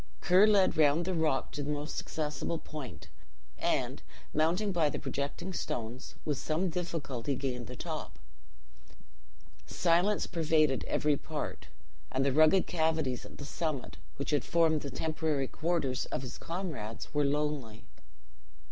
Ker led round the rock to the most accessible point; and, mounting by the projecting stones, with some difficulty gained the top. Silence pervaded every part; and the rugged cavities at the summit, which had formed the temporary quarters of his comrades, were lonely.